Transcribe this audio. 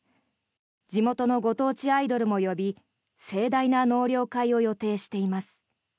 地元のご当地アイドルも呼び盛大な納涼会を予定しています。